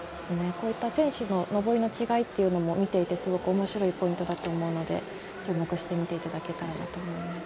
こういった選手の登りの違いというのも見ていてすごくおもしろいポイントだと思うので注目して見ていただけたらなと思います。